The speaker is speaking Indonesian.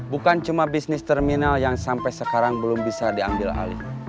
bukan cuma bisnis terminal yang sampai sekarang belum bisa diambil alih